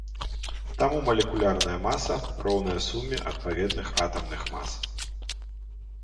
Таму малекулярная маса роўная суме адпаведных атамных мас.